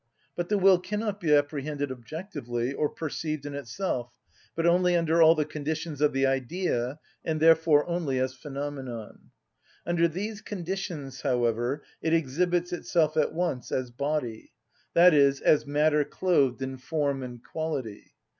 But the will cannot be apprehended objectively, or perceived in itself, but only under all the conditions of the idea, and therefore only as phenomenon. Under these conditions, however, it exhibits itself at once as body, i.e., as matter clothed in form and quality.